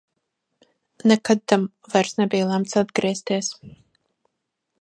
Nekad tam vairs nebija lemts atgriezties.